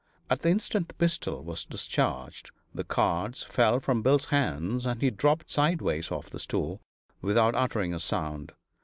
At the instant the pistol was discharged, the cards fell from Bill's hands and he dropped sideways off the stool without uttering a sound.